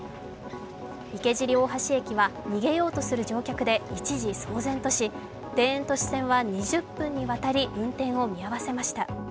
池尻大橋駅は逃げようとする乗客で一時騒然とし田園都市線は２０分にわたり運転を見合わせました。